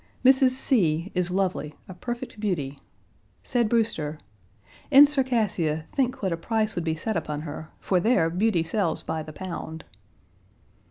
Mrs. C is lovely, a perfect beauty. Said Brewster: "In Circassia, think what a price would be set upon her, for there beauty sells by the pound!"